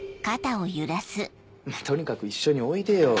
とにかく一緒においでよ。